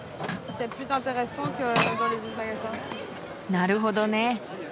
なるほどね。